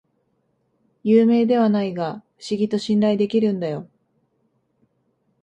有名ではないが不思議と信頼できるんだよ